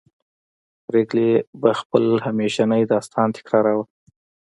پريګلې به خپل همیشنی داستان تکراروه